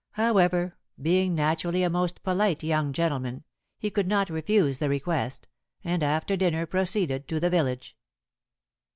However, being naturally a most polite young gentleman, he could not refuse the request, and after dinner proceeded to the village.